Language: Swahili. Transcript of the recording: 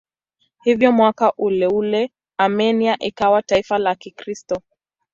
Hivyo mwaka uleule Armenia ikawa taifa la Kikristo.